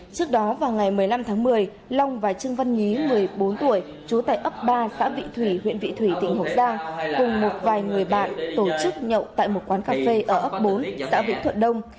trước đó vào ngày một mươi năm tháng một mươi long và trương văn nhí một mươi bốn tuổi trú tại ấp ba xã vị thủy huyện vị thủy tỉnh hậu giang cùng một vài người bạn tổ chức nhậu tại một quán cà phê ở ấp bốn xã vĩnh thuận đông